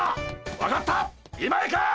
分かった今行く！